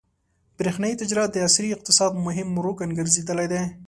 برېښنايي تجارت د عصري اقتصاد مهم رکن ګرځېدلی دی.